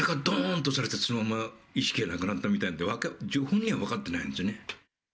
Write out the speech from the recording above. どーんとされて、そのまま意識がなくなったみたいで、本人は分かってないんですよね。